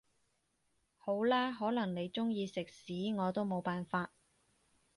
好啦，可能你鍾意食屎我都冇辦法